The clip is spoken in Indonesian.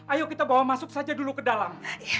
ayo kita bawa masuk saja dulu ke dalam